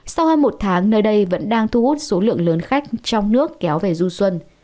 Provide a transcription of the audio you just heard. sau hơn một tháng nơi đây vẫn đang thu hút số lượng lớn khách trong nước kéo về du xuân